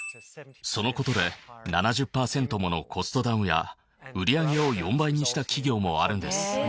そのことで７０％ものコストダウンや売り上げを４倍にした企業もあるんです。